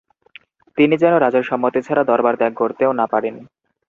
তিনি যেন রাজার সম্মতি ছাড়া দরবার ত্যাগ করতেও না পারেন।